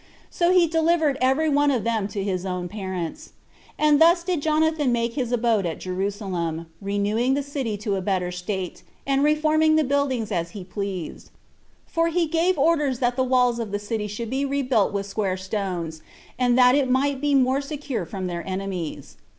So he delivered every one of them to his own parents. And thus did Jonathan make his abode at Jerusalem, renewing the city to a better state, and reforming the buildings as he pleased; for he gave orders that the walls of the city should be rebuilt with square stones, that it might be more secure from their enemies.